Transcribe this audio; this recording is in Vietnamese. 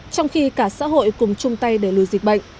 trong khi cả xã hội cùng chung tay để lùi dịch bệnh